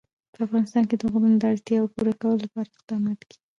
په افغانستان کې د غرونه د اړتیاوو پوره کولو لپاره اقدامات کېږي.